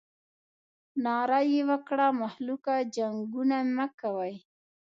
ناره یې وکړه مخلوقه جنګونه مه کوئ.